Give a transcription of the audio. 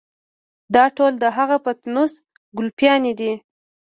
دا ټول د هغه پټنوس ګلپيانې دي.